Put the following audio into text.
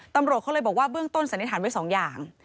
ตำรวจเขาเลยบอกว่าเบื้องต้นสันนิษฐานไว้สองอย่าง